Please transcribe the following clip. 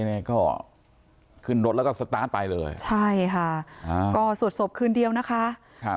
นี่ก็ขึ้นรถแล้วก็สตาร์ทไปเลยใช่ค่ะอ่าก็สวดศพคืนเดียวนะคะครับ